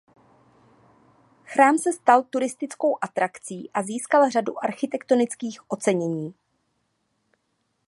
Chrám se stal turistickou atrakcí a získal řadu architektonických ocenění.